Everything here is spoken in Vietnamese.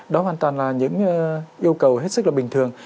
đó hoàn toàn là những yêu cầu hết sức là bình thường